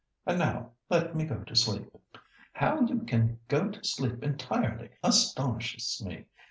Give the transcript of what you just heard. And now let me go to sleep." "How you can go to sleep entirely astonishes me.